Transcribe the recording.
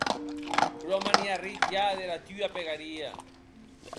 Pro me n’è arrit ja dera tua pegaria.